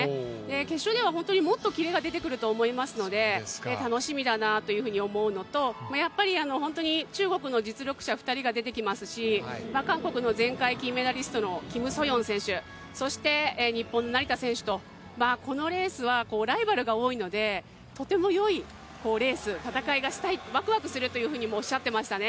決勝ではもっとキレが出てくると思いますので楽しみだなというふうに思うのとやっぱり本当に中国の実力者２人が出てきますし韓国の前回金メダリストのキム・ソヨン選手、そして日本の成田選手と、このレースはライバルが多いので、とてもよいレース、戦いがしたい、ワクワクするというふうにもおっしゃっていましたね。